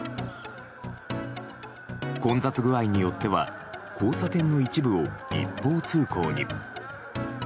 混雑具合によっては交差点の一部を一方通行に。